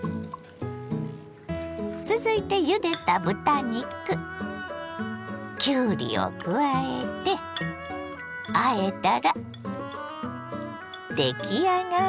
続いてゆでた豚肉きゅうりを加えてあえたら出来上がりです。